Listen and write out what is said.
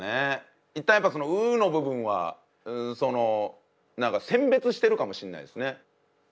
一旦やっぱりその「う」の部分は何か選別してるかもしれないですね。